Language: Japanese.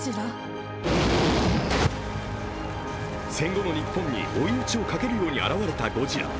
戦後の日本に追い打ちをかけるように現れたゴジラ。